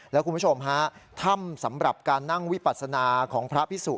แล้วคุณผู้ชมฮะถ้ำสำหรับการนั่งวิปัสนาของพระพิสุ